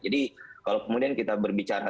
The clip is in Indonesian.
jadi kalau kemudian kita berbicara